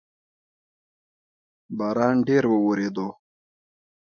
باران ډیر اوورېدو